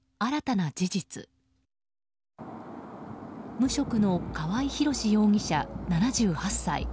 無職の川合広司容疑者、７８歳。